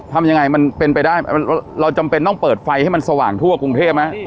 ทำยังไงมันเป็นไปได้เราจำเป็นต้องเปิดไฟให้มันสว่างทั่วกรุงเทพไหม